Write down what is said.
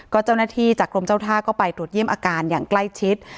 เจ้าหน้าที่จากกรมเจ้าท่าก็ไปตรวจเยี่ยมอาการอย่างใกล้ชิด